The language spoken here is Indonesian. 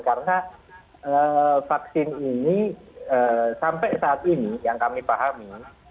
karena vaksin ini sampai saat ini yang kami pahami